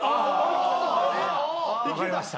分かりました？